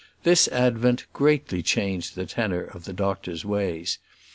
This advent greatly changed the tenor of the doctor's ways.